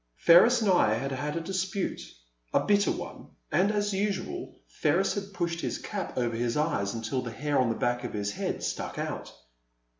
FERRIS and I had had a dispute, a bitter one, and, as usual, Ferris had pushed his cap over his eyes until the hair on the back of his head stuck out.